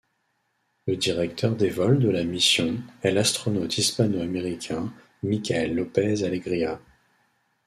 Le directeur des vols de la mission est l'astronaute hispano-américain Michael López-Alegría.